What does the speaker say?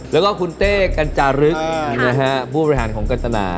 และคุณเต้กัญจารึก